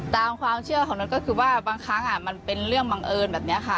ตามความเชื่อของนั้นก็คือว่าบางครั้งมันเป็นเรื่องบังเอิญแบบนี้ค่ะ